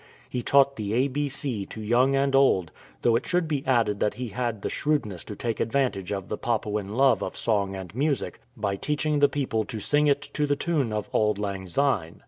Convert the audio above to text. He taught the A B C to young and old — though it should be added that he had the shrewdness to take advantage of the Papuan love of song and music by teaching the people to sing it to the tune of "Auld Lang Syne."